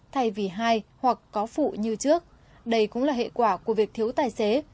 thay vì hai hoặc có phụ như trước đây cũng là hệ quả của việc thiếu tài xế